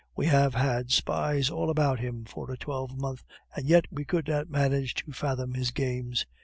We have had spies all about him for a twelvemonth, and yet we could not manage to fathom his games.